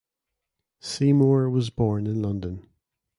Seymour was born in London.